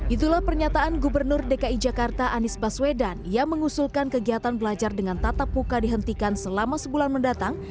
itulah pernyataan gubernur dki jakarta anies baswedan yang mengusulkan kegiatan belajar dengan tatap muka dihentikan selama sebulan mendatang